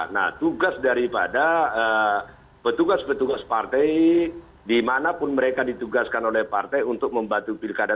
nah tugas daripada petugas petugas partai dimanapun mereka ditugaskan oleh partai untuk membantu pilkada